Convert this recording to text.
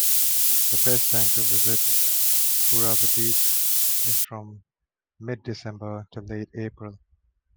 The best time to visit Kuruvadeep is from mid December to late April.